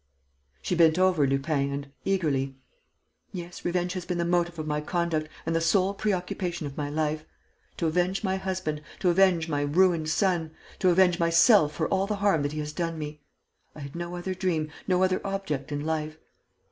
She bent over Lupin and, eagerly: "Yes, revenge has been the motive of my conduct and the sole preoccupation of my life. To avenge my husband, to avenge my ruined son, to avenge myself for all the harm that he has done me: I had no other dream, no other object in life.